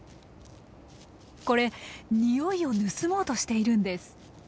これにおいを盗もうとしているんです。